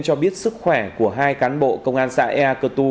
cho biết sức khỏe của hai cán bộ công an xã ea cơ tu